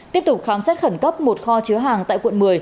tiếp tục khám xét khẩn cấp một kho chứa hàng tại quận một mươi